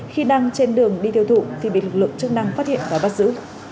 khi đang trên đường đi tiêu thụ thì bị lực lượng chức năng phát hiện và bắt giữ